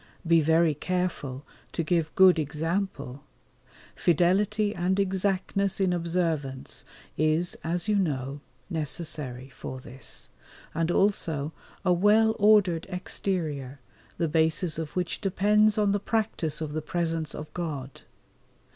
Be very careful to give good example. Fidelity and exactness in observance is, as you know, necessary for this, and also a well ordered exterior, the basis of which depends on the practice of the presence of God.